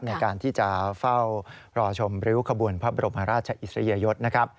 ในการที่จะเฝ้ารอชมริ้วขบวนพระบรมราชอิสริยยศนะครับ